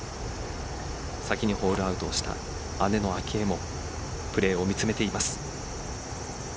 先にホールアウトをした姉の明愛もプレーを見つめています。